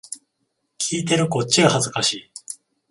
聞いてるこっちが恥ずかしい